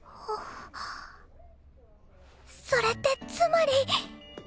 それってつまり